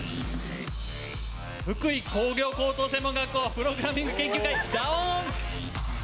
福井工業高等専門学校、プログラミング研究会、ＤーＯＮ。